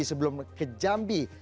sebelum ke jambi